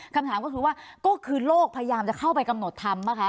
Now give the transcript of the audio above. คำถามก็คือว่าก็คือโลกพยายามจะเข้าไปกำหนดทำป่ะคะ